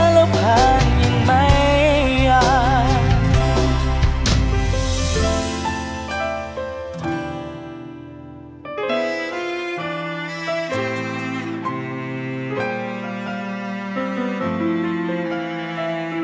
แล้วผ่านยังไม่ยาก